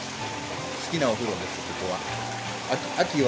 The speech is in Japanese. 好きなお風呂です、ここは。